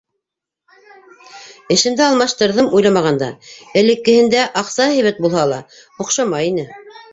Эшемде алыштырҙым уйламағанда, эллеккеһендә аҡсаһы һәйбәт булһа ла, оҡшамай ине.